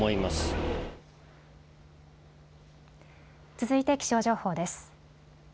続いて気象情報です。